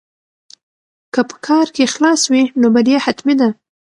که په کار کې اخلاص وي نو بریا حتمي ده.